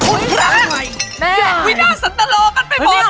พี่นาสสัตลอกนะ